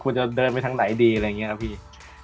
ควรจะเดินไปทางไหนดีรึยะพี่